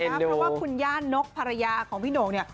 เพราะว่าคุณญาตินกภรรยาของพี่โหน่ง